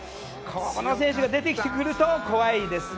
この選手が出てくると怖いですね。